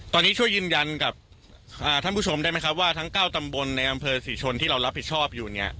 ตอนนี้ช่วยยืนยันกับท่านผู้ชมได้ไหมครับว่าทั้ง๙ตำบลในอำเภอศรีชนที่เรารับผิดชอบอยู่เนี่ย